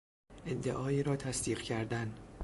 ادعایی را تصدیق کردن